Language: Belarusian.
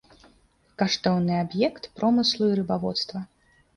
Каштоўны аб'ект промыслу і рыбаводства.